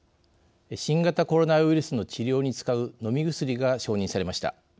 新型コロナウイルスの治療に使う飲み薬が、承認されました。